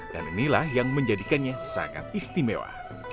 dan inilah yang menjadikannya sangat istimewa